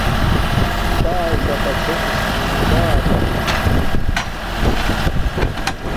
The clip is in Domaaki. پارکتہ چھے اسلام آباتنا